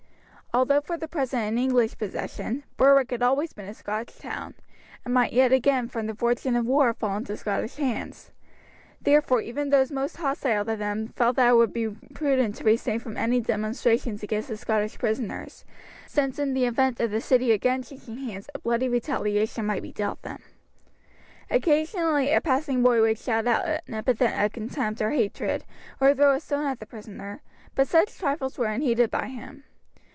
Although for the present in English possession, Berwick had always been a Scotch town, and might yet again from the fortune of war fall into Scottish hands. Therefore even those most hostile to them felt that it would be prudent to restrain from any demonstrations against the Scottish prisoners, since in the event of the city again changing hands a bloody retaliation might be dealt them. Occasionally a passing boy would shout out an epithet of contempt or hatred or throw a stone at the prisoner, but such trifles were unheeded by him.